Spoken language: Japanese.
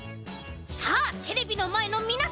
さあテレビのまえのみなさん